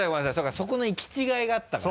そこの行き違いがあったから。